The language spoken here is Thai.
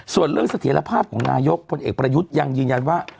ส่วนเรื่องเสถียรภาพของนายกพลเอกประยุทธ์ยังยืนยันว่า